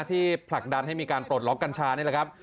ที่ผลักดันให้ปลดล็อคกัญชานี่หรือครับ